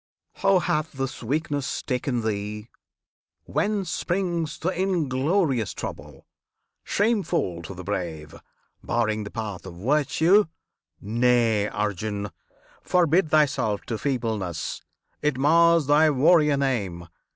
How hath this weakness taken thee? Whence springs The inglorious trouble, shameful to the brave, Barring the path of virtue? Nay, Arjun! Forbid thyself to feebleness! it mars Thy warrior name!